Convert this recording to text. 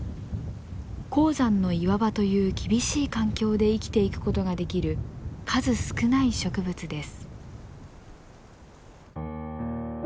高山の岩場という厳しい環境で生きていくことができる数少ない植物です。